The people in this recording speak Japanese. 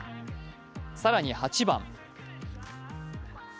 更に８番